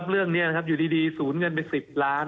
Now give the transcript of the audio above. เรื่องนี้อยู่ดีศูนย์เงินไป๑๐ล้าน